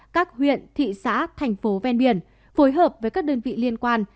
các huyện thị xã thành phố ven biển phối hợp với các đơn vị liên quan